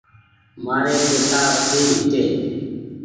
مآري پئيسا وڍيڪ هيتي۔